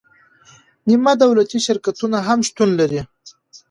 نیمه دولتي شرکتونه هم شتون لري.